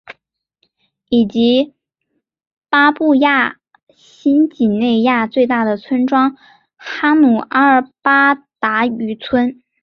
以及巴布亚新几内亚最大的村庄哈努阿巴达渔村。